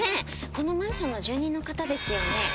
このマンションの住人の方ですよね？